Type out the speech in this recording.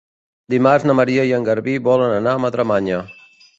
Dimarts na Maria i en Garbí volen anar a Madremanya.